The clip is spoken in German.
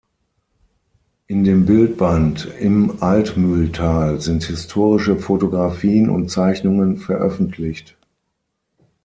In dem Bildband „Im Altmühltal“ sind historische Photographien und Zeichnungen veröffentlicht.